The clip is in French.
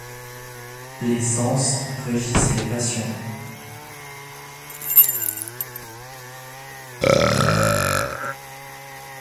Les sens régissent les passions.